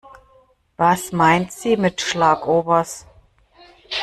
Was meint sie mit Schlagobers?